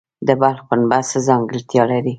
د بلخ پنبه څه ځانګړتیا لري؟